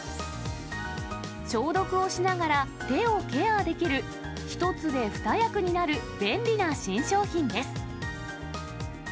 消毒をしながら手をケアできる、１つで２役になる便利な新商品です。